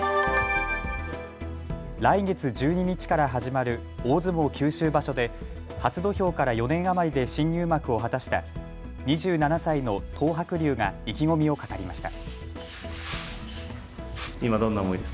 来月１２日から始まる大相撲九州場所で初土俵から４年余りで新入幕を果たした２７歳の東白龍が意気込みを語りました。